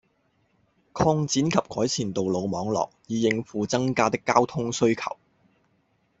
擴展及改善道路網絡，以應付增加的交通需求